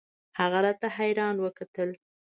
هغه راته حيران وکتل.